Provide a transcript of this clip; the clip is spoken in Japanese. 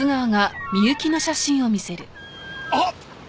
あっ！